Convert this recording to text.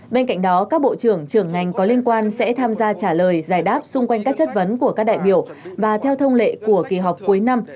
bên cạnh đó các bộ trưởng trưởng ngành có liên quan sẽ tham gia trả lời giải đáp xung quanh các chất vấn của các đại biểu và theo thông lệ của kỳ họp cuối năm